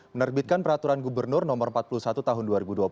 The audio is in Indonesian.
menerbitkan peraturan gubernur no empat puluh satu tahun dua ribu dua puluh